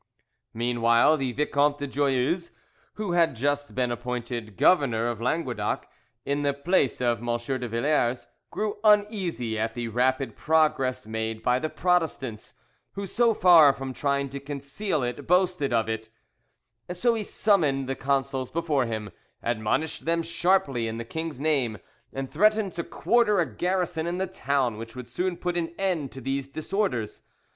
Meanwhile the Vicomte de Joyeuse, who had just been appointed governor of Languedoc in the place of M. de Villars, grew uneasy at the rapid progress made by the Protestants, who so far from trying to conceal it boasted of it; so he summoned the consuls before him, admonished them sharply in the king's name, and threatened to quarter a garrison in the town which would soon put an end to these disorders.